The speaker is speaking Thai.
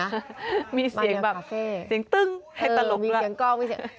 มานาวคาเฟ่มีเสียงแบบมีเสียงตึ้งให้ตลกละมีเสียงกล้องมีเสียง